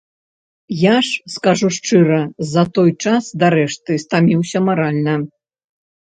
Я ж, скажу шчыра, за той час дарэшты стаміўся маральна.